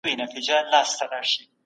په ټولنه کي باید یووالی وي.